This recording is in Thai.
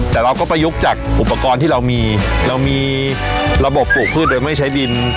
แต่เราก็ประยุกต์จากอุปกรณ์ที่เรามีเรามีระบบปลูกพืชโดยไม่ใช้ดิน